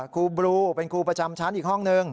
ครูบลูเป็นครูประจำชั้นอีกห้องหนึ่ง